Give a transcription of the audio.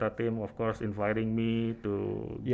tentu saja mengundang saya